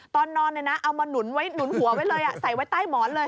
ตอนนอนเอามาหนุนไว้หนุนหัวไว้เลยใส่ไว้ใต้หมอนเลย